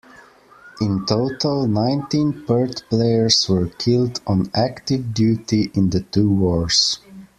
In total, nineteen Perth players were killed on active duty in the two wars.